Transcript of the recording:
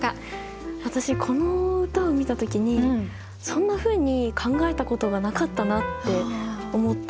私この歌を見た時にそんなふうに考えたことがなかったなって思って。